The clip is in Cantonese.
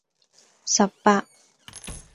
十八